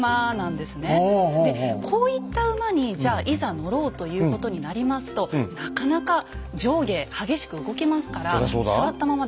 でこういった馬にじゃあいざ乗ろうということになりますとなかなか上下激しく動きますから座ったままでは難しい。